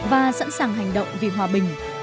và sẵn sàng hành động vì hòa bình